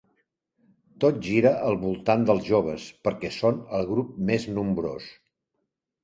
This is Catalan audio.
Tot gira al voltant dels joves perquè són el grup més nombrós.